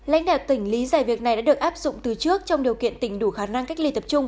lãnh đạo tỉnh lý giải việc này đã được áp dụng từ trước trong điều kiện tỉnh đủ khả năng cách ly tập trung